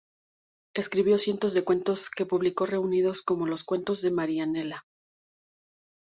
Escribió cientos de cuentos que publicó reunidos, como los "Cuentos de Marianela".